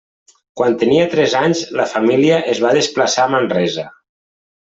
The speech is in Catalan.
Quan tenia tres anys, la família es va desplaçar a Manresa.